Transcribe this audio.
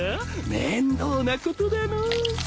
面倒なことだのう。